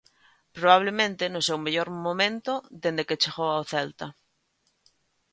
Probablemente no seu mellor momento desde que chegou ao Celta.